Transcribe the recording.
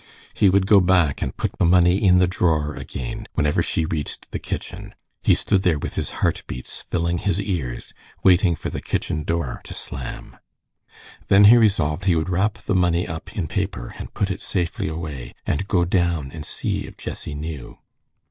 He would go back and put the money in the drawer again, whenever she reached the kitchen. He stood there with his heart beats filling his ears, waiting for the kitchen door to slam. Then he resolved he would wrap the money up in paper and put it safely away, and go down and see if Jessie knew.